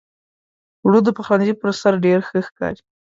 اوړه د پخلنځي پر سر ډېر ښه ښکاري